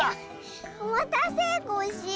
おまたせコッシー。